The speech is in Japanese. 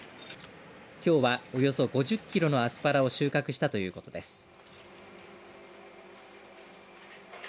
きょうはおよそ５０キロのアスパラを収穫したということです。